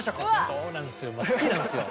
そうなんすよ。